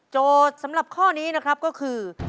โจทย์สำหรับข้อนี้นะครับคือ